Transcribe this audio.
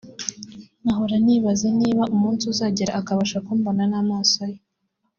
nkahora nibaza niba umunsi uzagera akabasha kumbona n’amaso ye